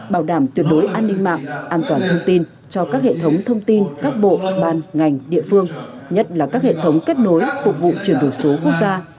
bảo đảm tuyệt đối an ninh mạng an toàn thông tin cho các hệ thống thông tin các bộ ban ngành địa phương nhất là các hệ thống kết nối phục vụ chuyển đổi số quốc gia